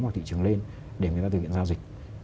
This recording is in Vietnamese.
hoặc thị trường lên để người ta thực hiện giao dịch